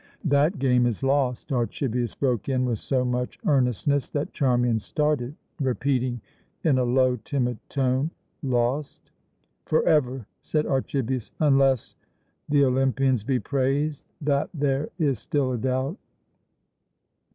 "That game is lost," Archibius broke in with so much earnestness that Charmian started, repeating in a low, timid tone: "Lost?" "Forever," said Archibius, "unless " "The Olympians be praised that there is still a doubt."